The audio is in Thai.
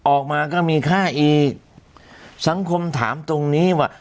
ออกมาก็มีค่าอีกสังคมถามตรงนี้ว่า